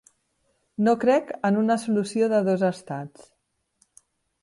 No crec en una solució de dos estats.